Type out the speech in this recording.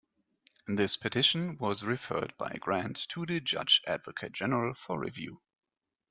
This petition, was referred by Grant to the Judge Advocate General for review.